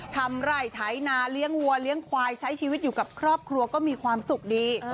ไรไถนาเลี้ยงวัวเลี้ยงควายใช้ชีวิตอยู่กับครอบครัวก็มีความสุขดี